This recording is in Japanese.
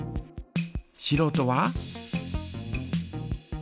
しろうとは？